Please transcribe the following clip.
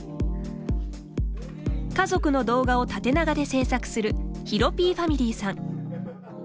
家族の動画を縦長で制作するひろぴーファミリーさん。